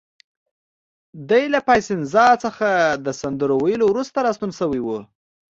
دی له پایسنزا څخه د سندرو ویلو وروسته راستون شوی و.